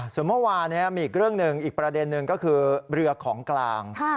ส่วนเมื่อวานี้มีอีกเรื่องหนึ่งอีกประเด็นหนึ่งก็คือเรือของกลาง